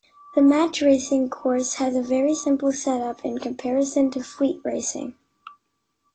The Match Racing course has a very simple setup in comparison to fleet racing.